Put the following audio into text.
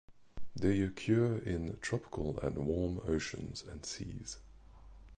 They occur in tropical and warm oceans and seas.